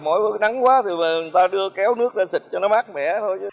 mỗi nắng quá thì người ta đưa kéo nước lên xịt cho nó mát mẻ thôi